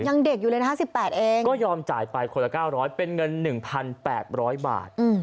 ยังเด็กอยู่เลยนะคะ๑๘เองก็ยอมจ่ายไปคนละ๙๐๐เป็นเงิน๑๘๐๐บาท